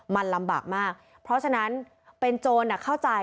มันลำบากมากเพราะฉะนั้นเป็นโจรเข้าใจ